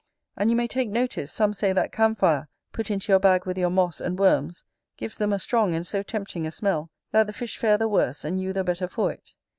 And you may take notice, some say that camphire put into your bag with your moss and worms gives them a strong and so tempting a smell, that the fish fare the worse and you the better for it.